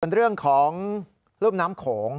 เป็นเรื่องของรุ่นน้ำโขง